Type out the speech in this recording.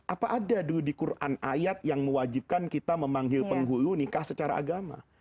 apa ada dulu di quran ayat yang mewajibkan kita memanggil penghulu nikah secara agama